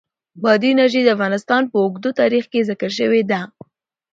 بادي انرژي د افغانستان په اوږده تاریخ کې ذکر شوې ده.